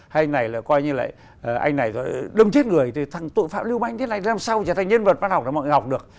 hay là coi như là anh này đông chết người thì thằng tội phạm lưu manh thế này làm sao trở thành nhân vật văn học mà mọi người học được